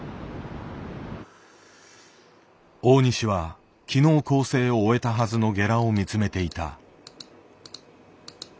大西は昨日校正を終えたはずのゲラを見つめていた。